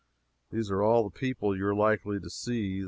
These are all the people you are likely to see.